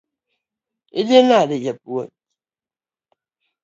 Idhi nade japuonj?